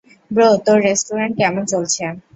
Bro, তোর restaurant কেমন চলছে?